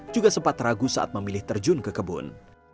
juga sempat ragu saat memilih terjun ke kebun